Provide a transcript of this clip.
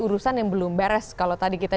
urusan yang belum beres kalau tadi kita